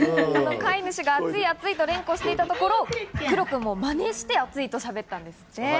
飼い主が暑い暑いと連呼していたところ、クロ君もマネして、あっつい！としゃべったんですって。